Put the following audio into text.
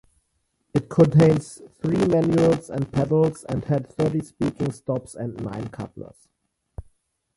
It contains three manuals and pedals and had thirty speaking stops and nine couplers.